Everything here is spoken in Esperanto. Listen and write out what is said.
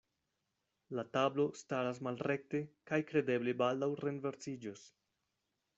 La tablo staras malrekte kaj kredeble baldaŭ renversiĝos.